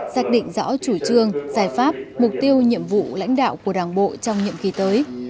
xác định rõ chủ trương giải pháp mục tiêu nhiệm vụ lãnh đạo của đảng bộ trong nhiệm kỳ tới